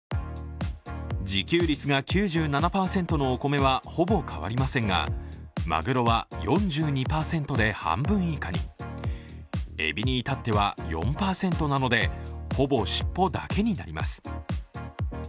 自給率が９７％のお米はほぼ変わりませんが、まぐろは４２％で半分以下に、えびに至っては４％なので、ほぼしっぽだけになります。